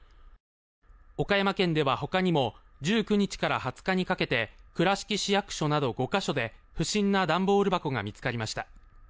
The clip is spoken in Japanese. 岡山県ではほかにも１９日から２０日にかけて倉敷市役所など５か所で不審な段ボール箱が見つかりました。